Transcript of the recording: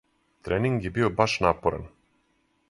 Тренинг је био баш напоран.